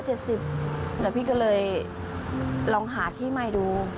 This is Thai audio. แล้วพี่ก็เลยลองหาที่ใหม่ดู